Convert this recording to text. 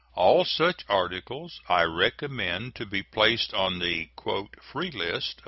All such articles I recommend to be placed on the "free list."